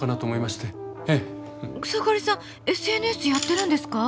草刈さんＳＮＳやってるんですか？